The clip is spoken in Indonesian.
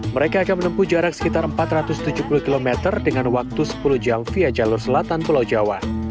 mereka akan menempuh jarak sekitar empat ratus tujuh puluh km dengan waktu sepuluh jam via jalur selatan pulau jawa